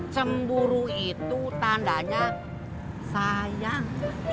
cemburu itu tandanya sayang